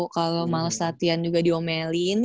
kalau males latihan juga diomelin